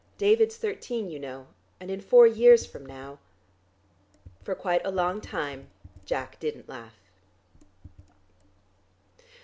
David's thirteen, you know, and in four years from now " For quite a long time Jack didn't laugh....